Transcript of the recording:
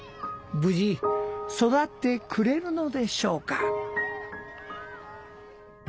無事育ってくれるのでしょうか？